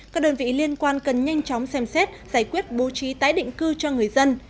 các đơn vị liên quan cần nhanh chóng xem xét giải quyết bố trí tái định cư cho người dân